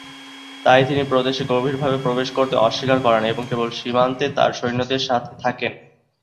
তাই তিনি প্রদেশে গভীরভাবে প্রবেশ করতে অস্বীকার করেন এবং কেবল সীমান্তে তার সৈন্যদের সাথে থাকেন।